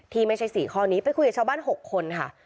ไม่ใช่๔ข้อนี้ไปคุยกับชาวบ้าน๖คนค่ะ